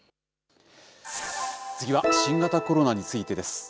次は新型コロナについてです。